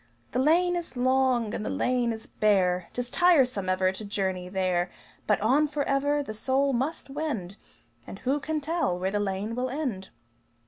The lane is long, and the lane is bare, 'Tis tiresome ever to journey there; But on forever the soul must wend And who can tell where the lane will end?"